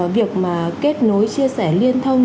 việc mà kết nối chia sẻ liên thông